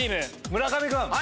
村上君。